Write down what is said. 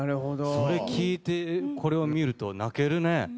それ聞いてこれを見ると泣けるね。